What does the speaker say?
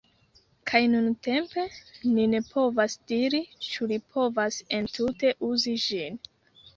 Kaj nuntempe ni ne povas diri ĉu li povas entute uzi ĝin